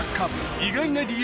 意外な理由